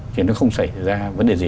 thì nó không xảy ra vấn đề gì